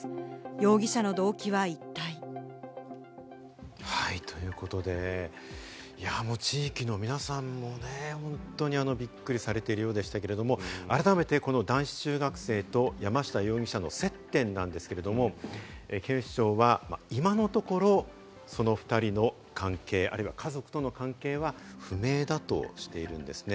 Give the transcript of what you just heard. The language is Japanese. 容疑者の動機は一体？ということで、地域の皆さんもね、本当にびっくりされてるようでしたけど、改めて男子中学生と山下容疑者の接点なんですけれども、警視庁は今のところ、その２人の関係あるいは家族との関係は不明だとしているんですね。